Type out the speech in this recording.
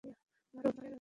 মারো ওকে, রবিন!